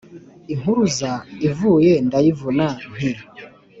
Impuruza ivuze ndayivuna, nti: